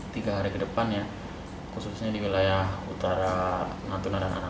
tiga hari ke depannya khususnya di wilayah utara natuna dan anang